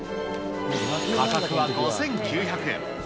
価格は５９００円。